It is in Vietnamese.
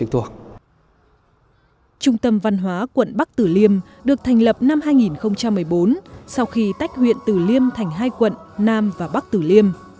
trung tâm văn hóa quận bắc tử liêm được thành lập năm hai nghìn một mươi bốn sau khi tách huyện tử liêm thành hai quận nam và bắc tử liêm